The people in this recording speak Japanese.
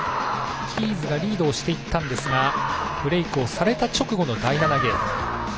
キーズがリードをしていったんですがブレークをされた直後の第７ゲーム。